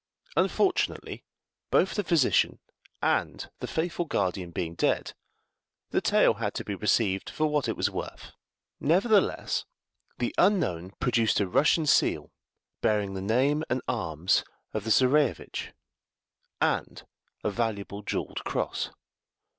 Unfortunately, both the physician and the faithful guardian being dead, the tale had to be received for what it was worth; nevertheless, the unknown produced a Russian seal, bearing the name and arms of the Czarevitch, and a valuable jewelled cross.